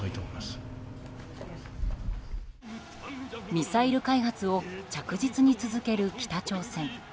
ミサイル開発を着実に続ける北朝鮮。